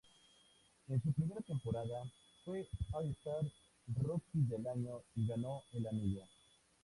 En su primera temporada, fue All-Star, Rookie del Año y ganó el anillo.